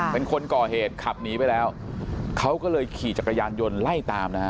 เป็นคนก่อเหตุขับหนีไปแล้วเขาก็เลยขี่จักรยานยนต์ไล่ตามนะฮะ